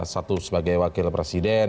satu sebagai wakil presiden